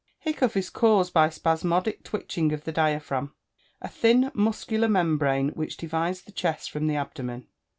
_ Hiccough is caused by a spasmodic twitching of the diaphragm, a thin muscular membrane which divides the chest from the abdomen.